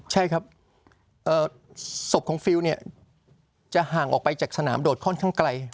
ใช่ครับศพของฟิลเนี่ยจะห่างออกไปจากสนามโดดค่อนข้างไกล